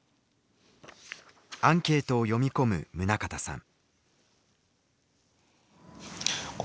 アンケートを読み込む宗像さん。